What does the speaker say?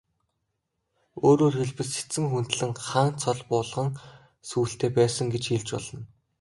Өөрөөр хэлбэл, Сэцэн хүндлэн хан цол булган сүүлтэй байсан гэж хэлж болно.